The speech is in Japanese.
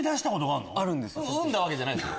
産んだわけじゃないですよ。